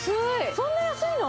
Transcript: そんな安いの！？